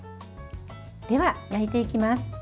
では、焼いていきます。